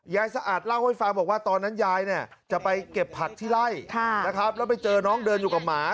สะอาดเล่าให้ฟังบอกว่าตอนนั้นยายเนี่ยจะไปเก็บผักที่ไล่นะครับแล้วไปเจอน้องเดินอยู่กับหมา